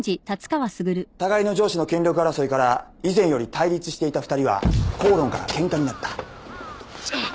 互いの上司の権力争いから以前より対立していた２人は口論からケンカになった。